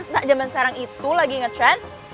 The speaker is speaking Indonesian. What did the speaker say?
setelah zaman sekarang itu lagi nge trend